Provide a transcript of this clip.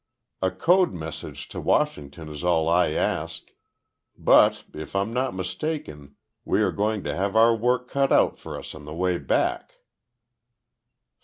A code message to Washington is all I ask but, if I'm not mistaken, we are going to have our work cut out for us on the way back."